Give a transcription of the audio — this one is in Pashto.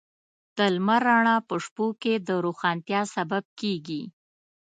د لمر رڼا په شپو کې د روښانتیا سبب کېږي.